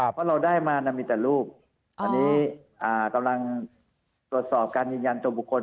เพราะเราได้มามีแต่รูปอันนี้กำลังตรวจสอบการยืนยันตัวบุคคล